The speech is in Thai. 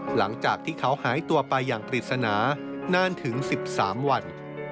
หลังจากที่เขาหายตัวไปอย่างปริศนานานถึง๑๓วัน